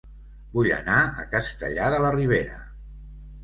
Vull anar a Castellar de la Ribera